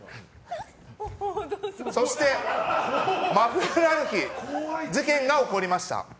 そして真冬のある日事件は起こりました。